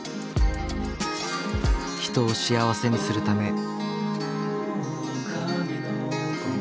人を幸せにするため。